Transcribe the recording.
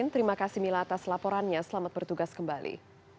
terima kasih mila atas laporannya selamat bertugas kembali